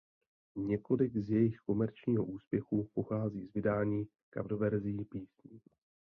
Několik z jejich komerčního úspěchu pochází z vydání coververzí písní.